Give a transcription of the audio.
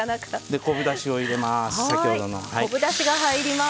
昆布だしを入れます。